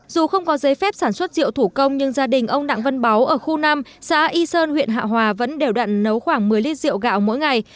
dù không có giấy phép sản xuất rượu thủ công nhưng gia đình ông đặng văn báu ở khu năm xã y sơn huyện hạ hòa vẫn đều đặn nấu khoảng một mươi lít rượu gạo mỗi ngày